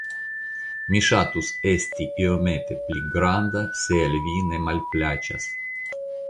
mi ŝatus esti iomete pli granda, se al vi ne malplaĉas.